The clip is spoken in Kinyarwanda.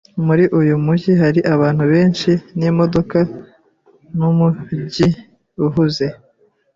Muri uyu mujyi hari abantu benshi n'imodoka. Numujyi uhuze.